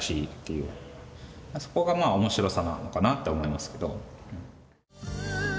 そこが面白さなのかなと思いますけど。